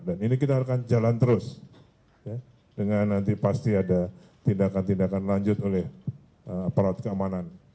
dan ini kita akan jalan terus dengan nanti pasti ada tindakan tindakan lanjut oleh perat keamanan